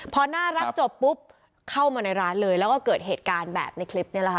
พอน่ารักจบปุ๊บเข้ามาในร้านเลยแล้วก็เกิดเหตุการณ์แบบในคลิปนี้แหละค่ะ